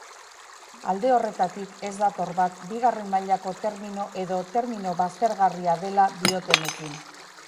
Alde horretatik ez dator bat bigarren mailako termino edo termino baztergarria dela diotenekin.